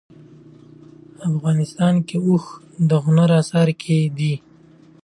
افغانستان کې اوښ د هنر په اثار کې دي.